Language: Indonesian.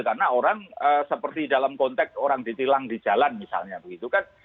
karena orang seperti dalam konteks orang ditilang di jalan misalnya begitu kan